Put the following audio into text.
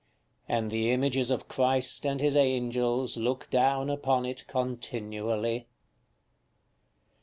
And the images of Christ and His angels look down upon it continually.